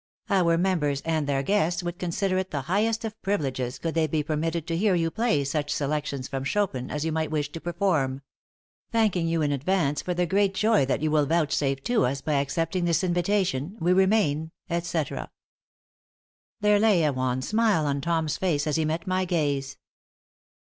Our members and their guests would consider it the highest of privileges could they be permitted to hear you play such selections from Chopin as you might wish to perform. Thanking you in advance for the great joy that you will vouchsafe to us by accepting this invitation, we remain, etc. There lay a wan smile on Tom's face as he met my gaze.